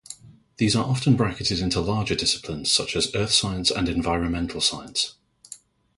These are often bracketed into larger disciplines such as earth science and environmental science.